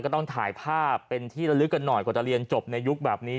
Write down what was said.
ก็ต้องถ่ายภาพเป็นที่ละลึกกันหน่อยกว่าจะเรียนจบในยุคแบบนี้